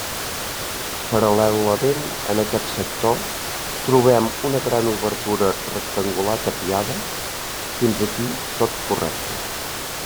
Paral·lelament en aquest sector, trobem una gran obertura rectangular tapiada, fins aquí tot correcte.